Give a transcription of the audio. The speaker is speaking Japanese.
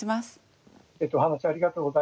お話ありがとうございました。